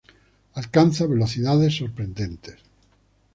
Alcanza velocidades sorprendentes.